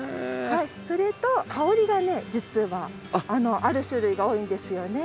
それと香りがね実はある種類が多いんですよね。